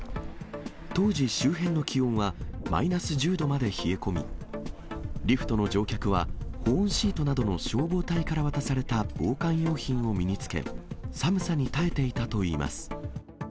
当時、周辺の気温はマイナス１０度まで冷え込み、リフトの乗客は、保温シートなどの消防隊から渡された防寒用品を身につけ、寒さに耐えていたといいます。